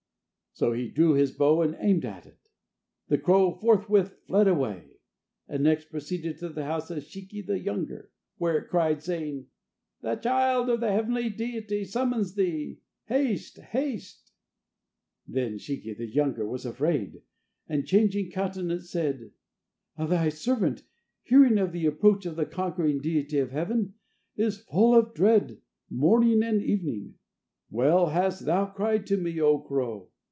So he drew his bow and aimed at it. The crow forthwith fled away, and next proceeded to the house of Shiki the younger, where it cried, saying: "The child of the heavenly deity summons thee. Haste! haste!" Then Shiki the younger was afraid, and changing countenance, said: "Thy servant, hearing of the approach of the conquering deity of heaven, is full of dread morning and evening. Well hast thou cried to me, O crow!"